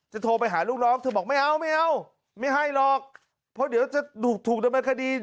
โทรไปหาลูกน้องเธอบอกไม่เอาไม่เอาไม่ให้หรอกเพราะเดี๋ยวจะถูกถูกดำเนินคดี